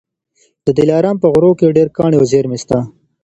د دلارام په غرو کي ډېر کاڼي او زېرمې سته.